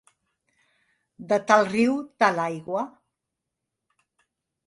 De tal riu, tal aigua.